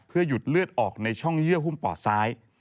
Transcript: หยุดเลือดออกในช่องเยื่อหุ้มปอดซ้าย